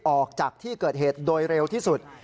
ออกจากที่เกิดเหตุโดยเร็วที่สุด